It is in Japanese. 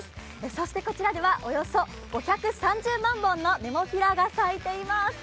そしてこちらではおよそ５３０万本のネモフィラが咲いています。